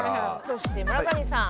そして村上さん。